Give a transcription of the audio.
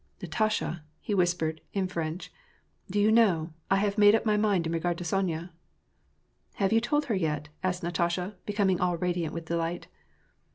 "Natasha," he whispered, in French. "Do you know, I have made up my mind in regard to Sonya." " Have you told her yet ?" asked Natasha, becoming all radiant with delight.